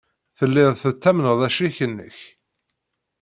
Telliḍ tettamneḍ acrik-nnek.